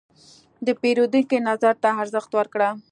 د پیرودونکي نظر ته ارزښت ورکړه.